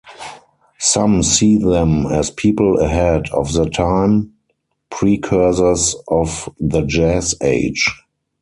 Some see them as people ahead of their time, precursors of the Jazz Age.